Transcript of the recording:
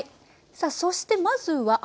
さあそしてまずは。